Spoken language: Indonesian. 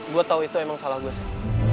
gue tau itu emang salah gue sih